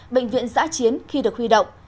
bệnh viện giã chiến khi được huy động